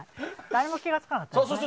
誰も気が付かなかったわよ。